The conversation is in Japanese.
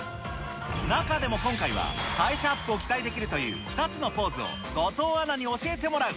中でも今回は、代謝アップを期待できるという２つのポーズを後藤アナに教えてもらう。